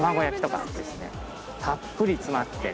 たっぷり詰まって。